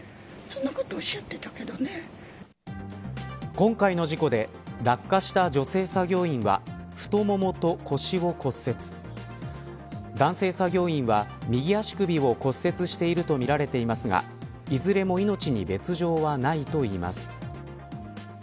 今回の事故で落下した女性作業員は太ももと腰を骨折男性作業員は右足首を骨折しているとみられていますがいずれも命に別条はないといいます。